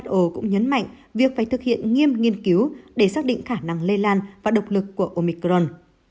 wo cũng nhấn mạnh việc phải thực hiện nghiêm nghiên cứu để xác định khả năng lây lan và độc lực của omicron